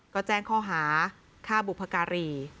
ก็แจ้งข้อหาฆ่าบุพการี